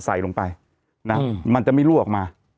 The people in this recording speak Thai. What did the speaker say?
ใส่ลงไปนะมันจะไม่รั่วออกมา